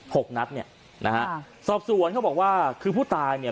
หกนัดเนี่ยนะฮะสอบสวนเขาบอกว่าคือผู้ตายเนี่ย